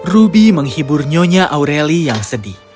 ruby menghibur nyonya aureli yang sedih